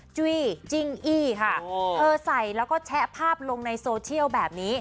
จุ้ยจิ้งอี้ค่ะเธอใส่แล้วก็แชะภาพลงในโซเชียลแบบนี้